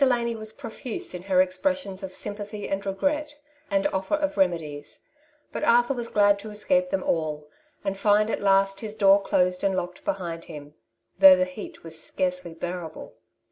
Delany was profuse in her ex pressions of sympathy and regret, and offer of remedies \ but Arthur was glad to escape them all, and find at last his door closed and locked behind him, though the heat was scarcely bearable.